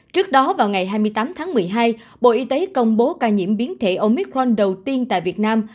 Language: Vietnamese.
trước đó vào ngày hai mươi tám tháng một mươi hai bộ y tế công bố ca nhiễm biến thể omicron đầu tiên tại việt nam